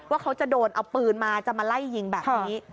ว่าเขาจะโดนเอาปืนมาจะมาไล่ยิงแบบนี้